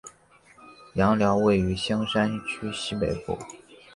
杨寮位于香山区西北部。